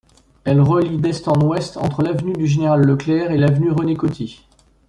Elle relie d'est en ouest entre l'avenue du Général-Leclerc et l'avenue René-Coty.